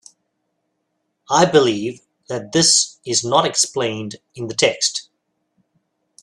I believe that this is not explained in the text.